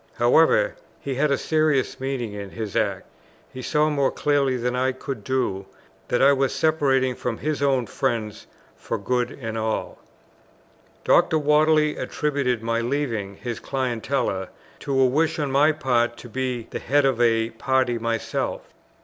However, he had a serious meaning in his act; he saw, more clearly than I could do, that I was separating from his own friends for good and all. Dr. Whately attributed my leaving his clientela to a wish on my part to be the head of a party myself.